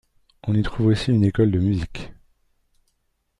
On y trouve aussi une école de musique.